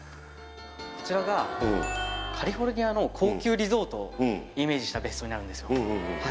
こちらがカリフォルニアの高級リゾートをイメージした別荘になるんですよ